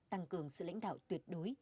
tăng cường sự lãnh đạo tuyệt đối